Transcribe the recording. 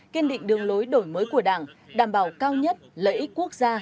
kiên định đường lối đổi mới của đảng đảm bảo cao nhất lợi ích quốc gia